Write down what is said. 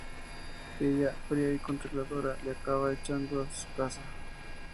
Ella, fría y controladora, le acaba echando de su casa.